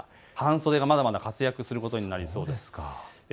半袖がまだまだ活躍することになりそうです。